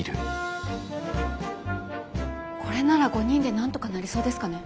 これなら５人でなんとかなりそうですかね。